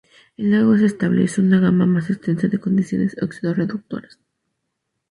El agua es estable en una gama más extensa de condiciones oxido-reductoras.